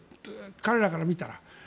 彼らから見たら。